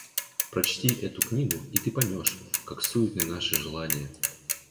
Прочти эту книгу, и ты поймешь, как суетны наши желания.